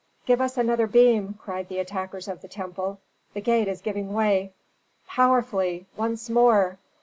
"Give us another beam!" cried the attackers of the temple. "The gate is giving way!" "Powerfully! Once more!"